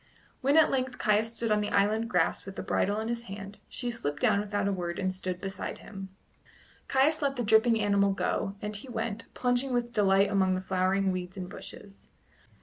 When at length Caius stood on the island grass with the bridle in his hand, she slipped down without a word and stood beside him. Caius let the dripping animal go, and he went, plunging with delight among the flowering weeds and bushes.